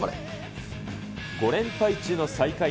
５連敗中の最下位